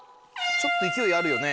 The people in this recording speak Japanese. ちょっと勢いあるよね。